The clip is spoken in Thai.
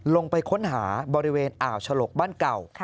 ลงไปค้นหาบริเวณอ่าวฉลกบ้านเก่า